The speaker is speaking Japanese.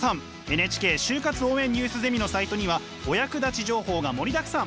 ＮＨＫ「就活応援ニュースゼミ」のサイトにはお役立ち情報が盛りだくさん。